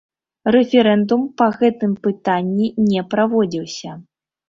Рэферэндум па гэтым пытанні не праводзіўся.